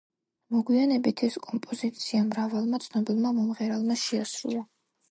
მოგვიანებით ეს კომპოზიცია მრავალმა ცნობილმა მომღერალმა შეასრულა.